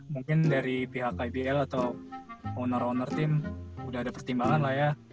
mungkin dari pihak ibl atau owner owner tim udah ada pertimbangan lah ya